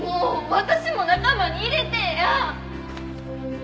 私も仲間に入れてえや。